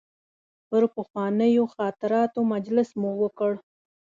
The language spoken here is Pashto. پر پخوانیو خاطراتو مجلس مو وکړ.